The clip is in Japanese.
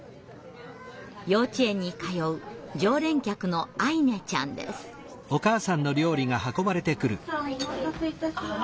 幼稚園に通う常連客のお待たせいたしました。